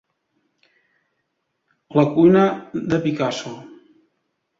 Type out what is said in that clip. La cuina de Picasso.